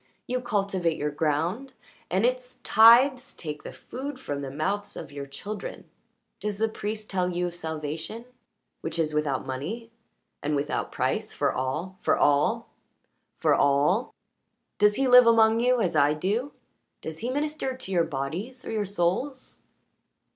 You cultivate your ground, and its tithes take the food from the mouths of your children. Does the priest tell you of salvation, which is without money and without price, for all for all for all? Does he live among you as I do? Does he minister to your bodies? Or your souls?"